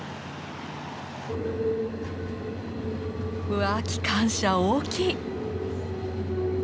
うわ機関車大きい！